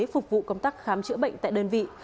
phục vụ công tác khám chữa bệnh tại đơn vị